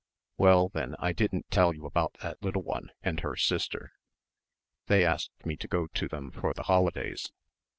Well, then, I didn't tell you about that little one and her sister they asked me to go to them for the holidays.